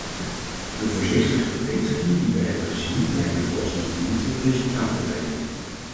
De voorzichtige verbeteringen die wij hebben gezien lijken vooralsnog niet tot resultaat te leiden.